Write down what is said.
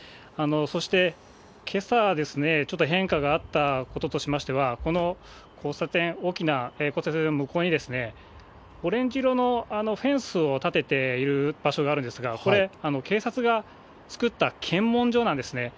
そして、けさ、ちょっと変化があったこととしましては、この交差点、大きな交差点の向こうにオレンジ色のフェンスを立てている場所があるんですが、これ、警察が作った検問所なんですね。